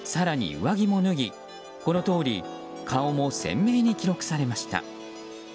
更に上着も脱ぎ、このとおり顔も鮮明に記録されました。